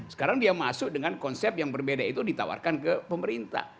sekarang dia masuk dengan konsep yang berbeda itu ditawarkan ke pemerintah